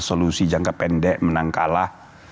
solusi jangka pendek menang kalah